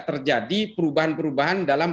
terjadi perubahan perubahan dalam